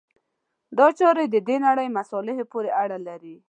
دا چارې د دې نړۍ مصالحو پورې اړه لري.